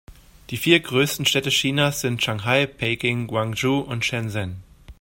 Die vier größten Städte Chinas sind Shanghai, Peking, Guangzhou und Shenzhen.